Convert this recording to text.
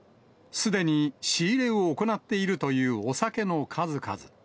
すでに仕入れを行っているというお酒の数々。